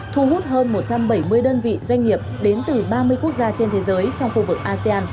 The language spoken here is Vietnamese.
thu hút hơn một trăm bảy mươi đơn vị doanh nghiệp đến từ ba mươi quốc gia trên thế giới trong khu vực asean